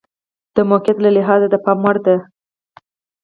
د موقعیت له لحاظه د پام وړ ده.